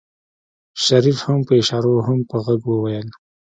شريف هم په اشارو هم په غږ وويل.